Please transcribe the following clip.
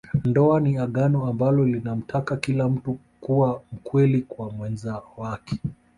Ndoa ni Agano ambalo linamtaka kila mtu kuwa mkweli kwa mwenza wake